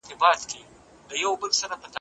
د فساد ریښې باید وچې سي.